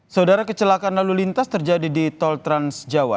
saudara kecelakaan lalu lintas terjadi di tol transjawa